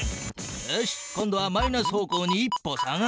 よし今度はマイナス方向に１歩下がる。